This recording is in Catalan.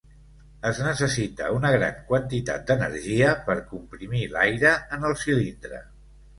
Es necessita una gran quantitat d'energia per comprimir l'aire en el cilindre.